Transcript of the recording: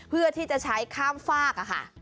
เพื่อที่จะใช้ข้ามฝากค่ะ